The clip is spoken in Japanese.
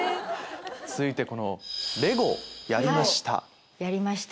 続いてこの「レゴやりました」。